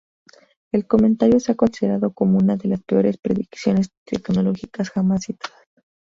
El comentario se ha considerado como una de las peores predicciones tecnológicas jamás citadas.